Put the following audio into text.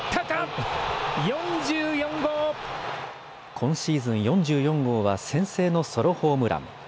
今シーズン４４号は先制のソロホームラン。